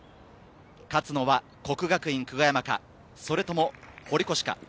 勝つのは國學院久我山かそれとも堀越か。